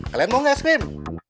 kalian mau gak es krim